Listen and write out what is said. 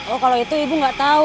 oh kalau itu ibu nggak tahu